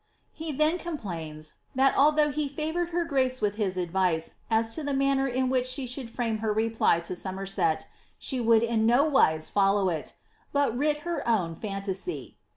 He then complains, that although he favoured her pace with his advice as to the manner in which she should frame her reply to Somerset, she would in no wise follow it, ^^ but writ her own £intasy."